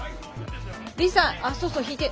リーさんあっそうそう引いて。